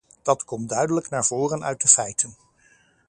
Dat komt duidelijk naar voren uit de feiten.